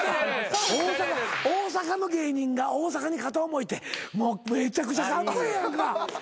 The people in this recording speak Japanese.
大阪の芸人が大阪に片思いってめちゃくちゃカッコエエやんか。